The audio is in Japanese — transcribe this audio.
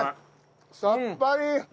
さっぱり！